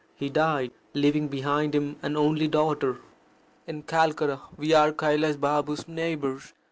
He died, leaving behind him an only daughter. In Calcutta we are Kailas Baba's neighbours.